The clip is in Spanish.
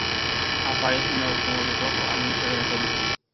Aparece en el automóvil rojo al inicio de la serie.